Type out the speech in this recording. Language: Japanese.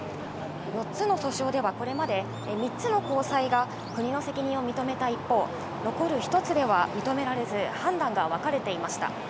４つの訴訟では、これまで３つの高裁が国の責任を認めた一方、残る１つでは認められず、判断が分かれていました。